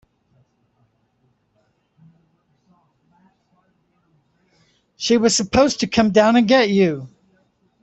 She was supposed to come down and get you.